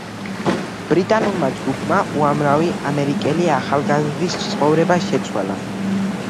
ბრიტანულმა ჯგუფმა უამრავი ამერიკელი ახალგაზრდის ცხოვრება შეცვალა.